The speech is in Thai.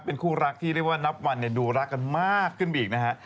เป็นคู่รักที่เรียกว่านับวันดูรักกันมากขึ้นไปอีกนะฮะ